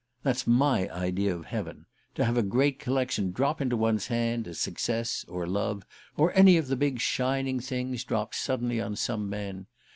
That's my idea of heaven to have a great collection drop into one's hand, as success, or love, or any of the big shining things, drop suddenly on some men.